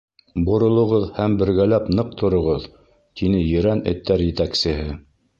— Боролоғоҙ һәм бергәләп ныҡ тороғоҙ, — тине ерән эттәр етәксеһе.